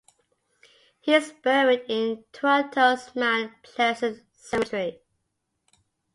He is buried in Toronto's Mount Pleasant Cemetery.